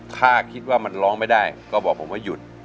ถ้าคิดว่ามันร้องไม่ได้ก็บอกผมว่าหยุด